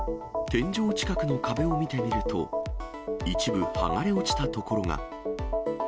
天井近くの壁を見てみると、一部、剥がれ落ちた所が。